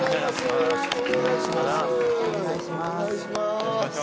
よろしくお願いします。